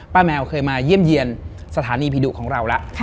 ป้าแมวเคยมาเยี่ยมเยี่ยนสถานีพิดุของเราละ